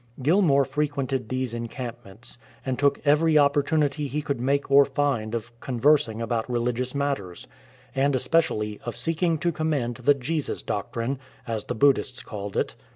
Gilmour frequented these encampments, and took every opportunity he could make or find of conversing about religious matters, and especially of seeking to commend " the Jesus doctrine,"*"* as the Buddhists called it.